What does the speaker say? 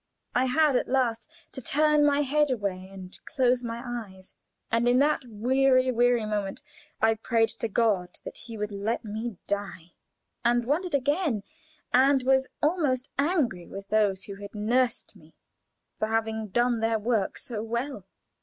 I had at last to turn my head away and close my eyes, and in that weary, weary moment I prayed to God that He would let me die, and wondered again, and was almost angry with those who had nursed me, for having done their work so well.